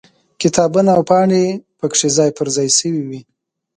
کتابونه او پاڼې پکې ځای پر ځای شوي وي.